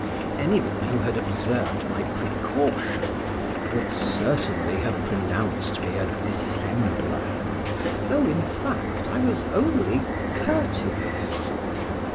Any one who had observed my precaution, would certainly have pronounced me a dissembler, though, in fact, I was only courteous.